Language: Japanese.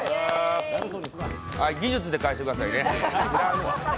技術で返してくださいね。